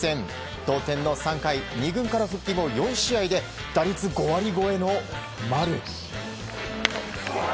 同点の３回２軍から復帰後４試合で打率５割超えの丸。